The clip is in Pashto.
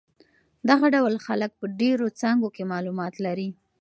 دغه ډول خلک په ډېرو څانګو کې معلومات لري.